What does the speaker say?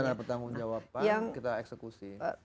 dan ada pertanggung jawaban yang kita eksekusi